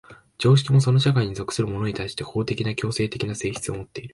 常識もその社会に属する者に対して法的な強制的な性質をもっている。